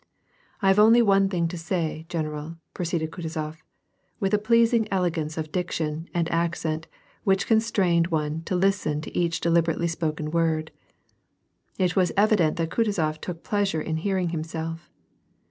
" I have only one thing to say, general," proceeded Kutuzof, with a pleasing elegance of diction and accent which con strained one to listen to each deliberately spoken word. It was evident that Kutuzof took pleasure in hearing himself.